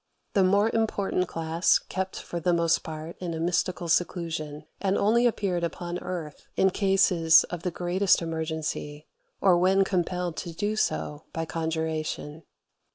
The more important class kept for the most part in a mystical seclusion, and only appeared upon earth in cases of the greatest emergency, or when compelled to do so by conjuration.